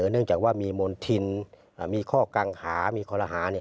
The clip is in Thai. เนื่องจากว่ามีมณฑินมีข้อกังหามีคอลหา